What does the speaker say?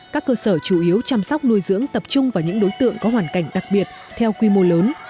các cơ sở chủ yếu chăm sóc nuôi dưỡng tập trung vào những đối tượng có hoàn cảnh đặc biệt theo quy mô lớn